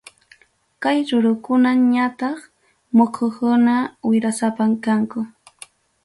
Kay rurukuna ñataq muhukuna wirasapam kanku.